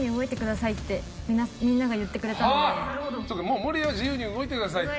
もう守屋自由に動いてくださいって。